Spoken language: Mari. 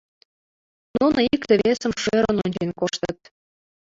Нуно икте-весым шӧрын ончен коштыт.